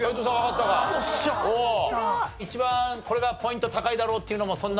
一番これがポイント高いだろうっていうのもそんな。